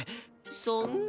そんな。